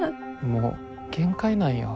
もう限界なんよ。